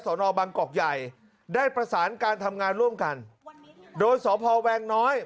นอบังกอกใหญ่ได้ประสานการทำงานร่วมกันโดยสพแวงน้อย